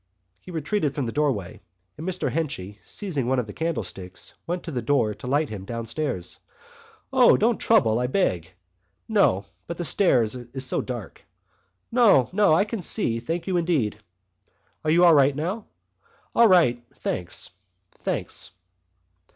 He retreated from the doorway and Mr Henchy, seizing one of the candlesticks, went to the door to light him downstairs. "O, don't trouble, I beg!" "No, but the stairs is so dark." "No, no, I can see.... Thank you, indeed." "Are you right now?" "All right, thanks.... Thanks."